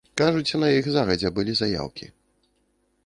Кажуць, на іх загадзя былі заяўкі.